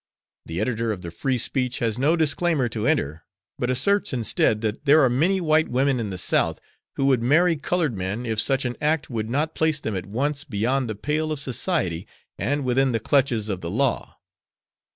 The editor of the Free Speech has no disclaimer to enter, but asserts instead that there are many white women in the South who would marry colored men if such an act would not place them at once beyond the pale of society and within the clutches of the law.